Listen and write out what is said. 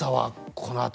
このあと。